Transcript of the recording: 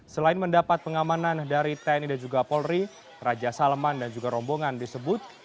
selain mendapat pengamanan dari tni dan juga polri raja salman dan juga rombongan disebut